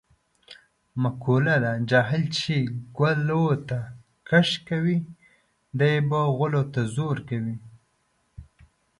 مقوله ده: جاهل چې ګلوته کش کوې دی به غولو ته زور کوي.